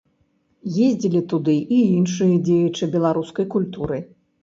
Ездзілі туды і іншыя дзеячы беларускай культуры.